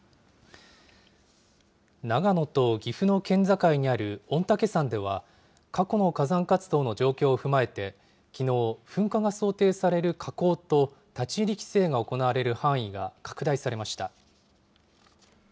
長野と岐阜の県境にある御嶽山では、過去の火山活動の状況を踏まえて、きのう、噴火が想定される火口と立ち入り規制が行われる範囲が拡大されました。